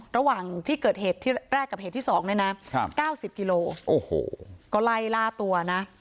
ระหว่างที่เกิดแรกกับเหตุที่๒นี่นะ๙๐กิโลก็ไล่ล่าตัวนะ